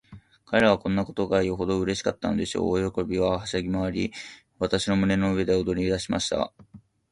彼等はこんなことがよほどうれしかったのでしょう。大喜びで、はしゃぎまわり、私の胸の上で踊りだしました。